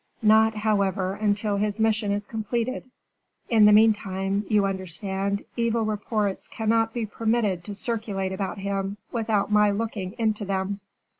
"Not, however, until his mission is completed. In the meantime, you understand, evil reports cannot be permitted to circulate about him without my looking into them."